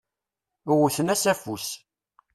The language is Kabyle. Wwten-as afus.